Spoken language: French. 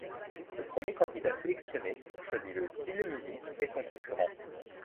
Le premier candidat sélectionné choisit le style de musique et son concurrent.